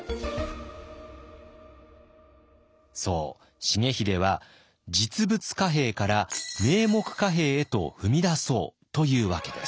そう重秀は実物貨幣から名目貨幣へと踏み出そうというわけです。